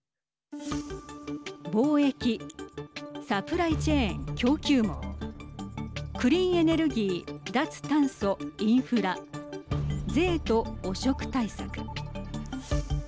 貿易サプライチェーン＝供給網クリーンエネルギー脱炭素、インフラ税と汚職対策。